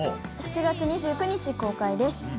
７月２９日公開です。